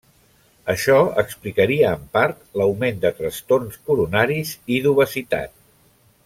Això explicaria en part l'augment de trastorns coronaris i d'obesitat.